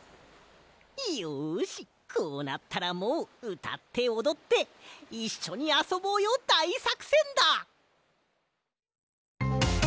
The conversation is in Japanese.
いよしこうなったらもううたっておどっていっしょにあそぼうよだいさくせんだ！